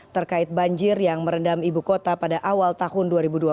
terkait banjir yang merendam ibu kota pada awal tahun dua ribu dua puluh